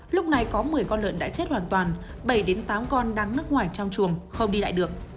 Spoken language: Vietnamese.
lúc này có một mươi con lợn đã chết hoàn toàn bảy tám con đang nước ngoài trong chuồng không đi lại được